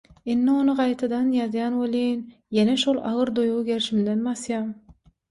indi ony gaýtadan ýazýan welin ýene şol agyr duýgy gerşimden basýar.